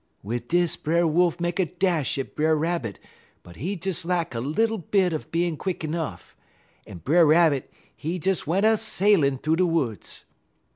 "Wid dis Brer Wolf make a dash at Brer Rabbit, but he des lack a little bit uv bein' quick 'nuff, en Brer Rabbit he des went a sailin' thoo de woods.